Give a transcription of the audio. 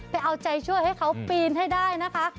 ไปเอาใจช่วยให้เขาปีนให้ได้นะคะ